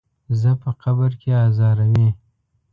زه په قبر کې ازاروي.